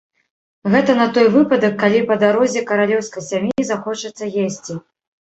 Гэта на той выпадак, калі па дарозе каралеўскай сям'і захочацца есці.